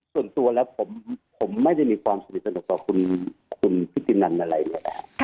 ส่วนตัวแล้วผมไม่ได้มีความสนิทของคุณพิษตินันอะไรอย่างนี้ค่ะ